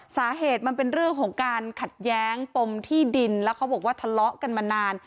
สาเหตุมันเป็นเรื่องของการขัดแย้งปมที่ดินแล้วเขาบอกว่าทะเลาะกันมานาน